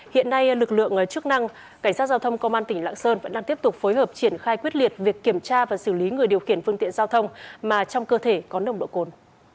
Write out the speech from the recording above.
hiện nay lực lượng chức năng cảnh sát giao thông công an tỉnh lạng sơn vẫn đang tiếp tục phối hợp triển khai quyết liệt việc kiểm tra và xử lý người điều khiển phương tiện giao thông mà trong cơ thể có nồng độ cồn